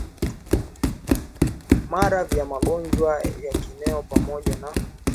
mara vya magonjwa ya kieneo pamoja na kuibua ushahidi wa kina wa uzukaji na